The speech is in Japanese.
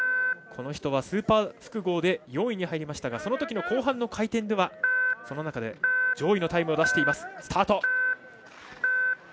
この人はスーパー複合で４位に入りましたがそのときの後半の回転ではその中で上位のタイムを出しています。